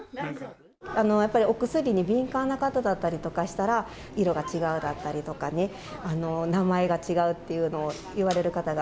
やっぱりお薬に敏感な方だったりとかしたら、色が違うだったりとかね、名前が違うというのを言われる方が。